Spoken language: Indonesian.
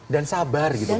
dan sabar gitu ngajarin